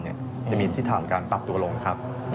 จะมีที่ถามการปรับตัวลงครับ